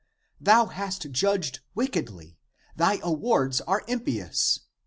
Thou hast judged wickedly; thy awards are impious.